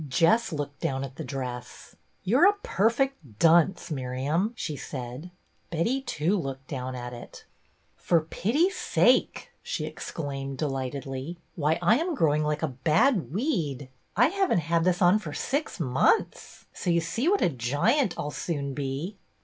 Jess looked down at the dress. "You're a perfect dunce, Miriam !" she said. Betty too looked down at it. " For pity's sake !" she exclaimed, de lightedly. "Why, I am growing like a bad weed. I have n't had this on for six months, so you see what a giant I 'll soon be."